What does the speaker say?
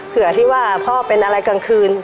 เผื่อที่ว่าพ่อเป็นอะไรกลางคืน